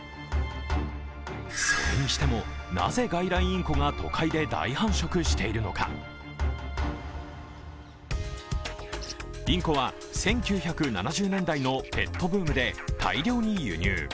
それにしても、なぜ、外来インコが都会で大繁殖しているのかインコは１９７０年代のペットブームで大量に輸入。